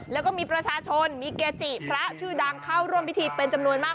แล้วก็มีประชาชนมีเกจิพระชื่อดังเข้าร่วมพิธีเป็นจำนวนมาก